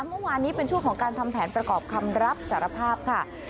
เมื่อวานนี้เป็นช่วงของการทำแผนประกอบคำรับสารภาพค่ะ